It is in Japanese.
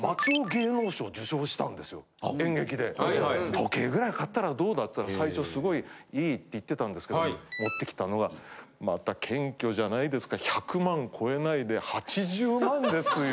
「時計ぐらい買ったらどうだ」って言ったら最初すごい「いい」って言ってたんですけどね持ってきたのがまた謙虚じゃないですか１００万超えないで８０万ですよ。